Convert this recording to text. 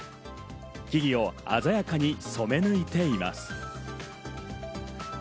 木々を鮮やかに染め抜いています。